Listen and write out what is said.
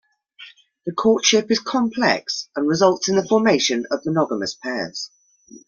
The courtship is complex and results in the formation of monogamous pairs.